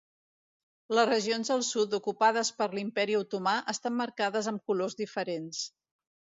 Les regions del sud ocupades per l'imperi otomà estan marcades amb colors diferents.